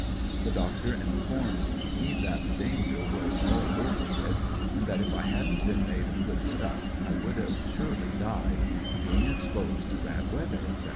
The Doctor informed me that the danger was all over with, and that, if I hadn't been made of good stuff, I would have surely died, being exposed to bad weather, etc.